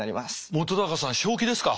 本さん正気ですか？